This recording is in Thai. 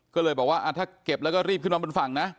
ก็เลยบอกว่าถ้าเก็บแล้วก็รีบขึ้นมาบนฝั่งนะ